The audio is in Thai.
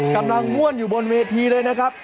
กำลังม่วนอยู่บนเวทีเลยนะครับ